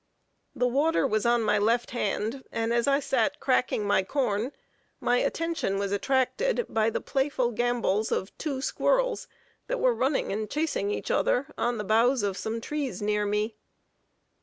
The water was on my left hand, and as I sat cracking my corn, my attention was attracted by the playful gambols of two squirrels that were running and chasing each other on the boughs of some trees near me.